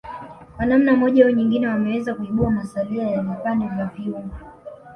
Kwa namna moja au nyengine wameweza kuibua masalia ya vipande vya vyungu